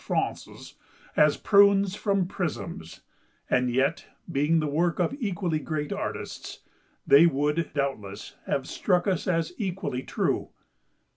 France's as prunes from prisms, and yet, being the work of equally great artists, they would, doubtless, have struck us as equally true.